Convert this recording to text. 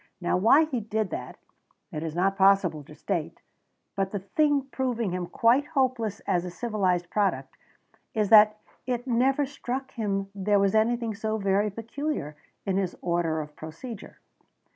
Now why he did that, it is not possible to state, but the thing proving him quite hopeless as a civilised product is that it never struck him there was anything so very peculiar in his order of procedure.